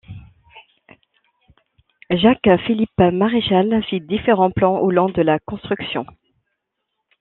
Jacques Philippe Mareschal fit différents plans au long de la construction.